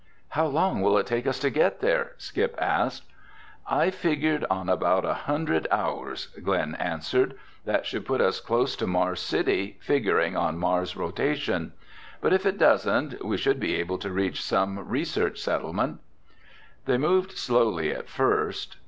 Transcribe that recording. "How long will it take us to get there?" Skip asked. "I've figured on about a hundred hours," Glen answered. "That should put us close to Mars City, figuring on Mars' rotation. But if it doesn't, we should be able to reach some research settlement." They moved slowly at first.